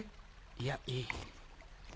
いやいい。